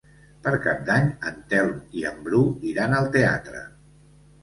Per Cap d'Any en Telm i en Bru iran al teatre.